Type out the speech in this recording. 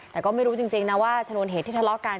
แต่ก็ไม่รู้จริงนะว่าชนวนเหตุที่ทะเลาะกัน